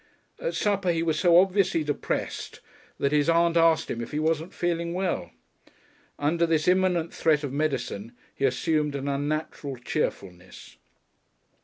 At supper he was so visibly depressed that his aunt asked him if he wasn't feeling well. Under this imminent threat of medicine he assumed an unnatural cheerfulness.